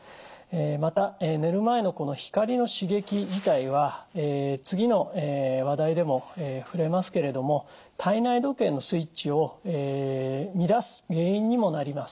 また寝る前のこの光の刺激自体は次の話題でも触れますけれども体内時計のスイッチを乱す原因にもなります。